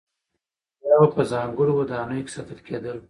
یا به په ځانګړو ودانیو کې ساتل کېدل.